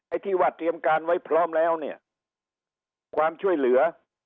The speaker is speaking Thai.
ที่ว่าเตรียมการไว้พร้อมแล้วเนี่ยความช่วยเหลือ